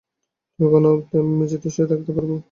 তুমি ঘুমানো অব্ধি আমি মেঝেতেই শুয়ে থাকতে পারবো।